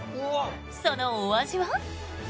そのお味は？